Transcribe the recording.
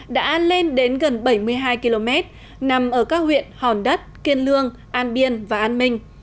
đã lên đến gần bảy mươi hai km nằm ở các huyện hòn đất kiên lương an biên và an minh